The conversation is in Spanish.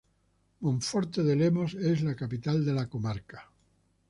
Monforte de Lemos es la capital de la comarca.